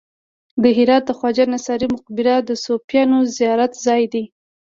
د هرات د خواجه انصاري مقبره د صوفیانو زیارت ځای دی